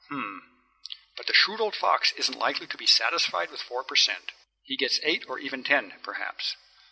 Hm hm! But the shrewd old fox isn't likely to be satisfied with four per cent. He gets eight or even ten, perhaps.